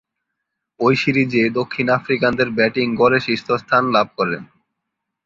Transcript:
ঐ সিরিজে দক্ষিণ আফ্রিকানদের ব্যাটিং গড়ে শীর্ষস্থান লাভ করেন।